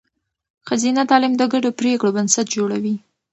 ښځینه تعلیم د ګډو پرېکړو بنسټ جوړوي.